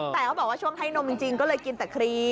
แต่เขาบอกว่าช่วงให้นมจริงก็เลยกินแต่ครีม